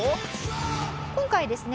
今回ですね